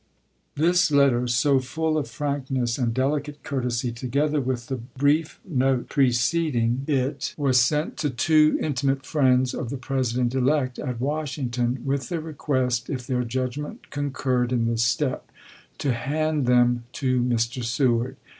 This letter, so full of frankness and delicate courtesy, together with the brief note preceding 350 ABKAHAM LINCOLN ch. xxn. it, was sent to two intimate friends of the Presi dent elect at Washington, with the request, if their judgment concurred in the step, to hand them to Mr. Seward.